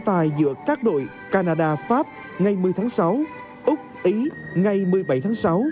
tài giữa các đội canada pháp ngày một mươi tháng sáu úc ý ngày một mươi bảy tháng sáu